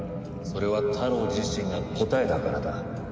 それはタロウ自身が答えだからだ。